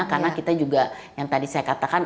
karena kita juga yang tadi saya katakan